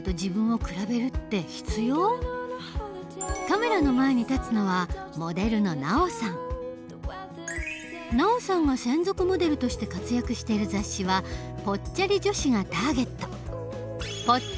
カメラの前に立つのはＮＡＯさんが専属モデルとして活躍している雑誌はぽっちゃり女子がターゲット。